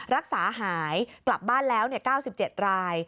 รักษาหายกลับบ้านแล้ว๙๗ราย